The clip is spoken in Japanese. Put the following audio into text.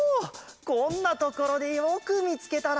こんなところでよくみつけたな！